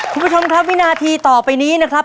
คุณผู้ชมครับวินาทีต่อไปนี้นะครับ